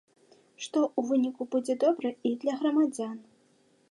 Што ў выніку будзе добра і для грамадзян.